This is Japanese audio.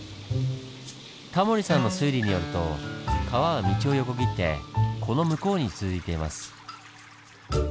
タモリさんの推理によると川は道を横切ってこの向こうに続いています。